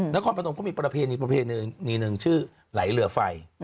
นครพนมก็มีปรเพณีนี่นึงชื่อไหลเหลือไฟ